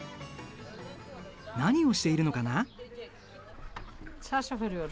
何をしているのかな。